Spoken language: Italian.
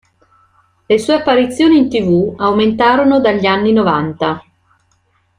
Le sue apparizioni in tv aumentarono dagli anni novanta.